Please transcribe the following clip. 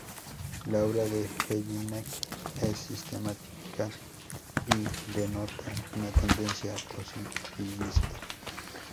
La obra de Jellinek es sistemática y denota una tendencia positivista.